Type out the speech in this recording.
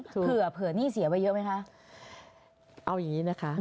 ซึ่งเผื่อหนี้เสียไว้เยอะไหมคะ